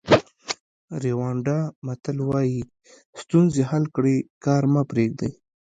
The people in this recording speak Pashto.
ریوانډا متل وایي ستونزې حل کړئ کار مه پریږدئ.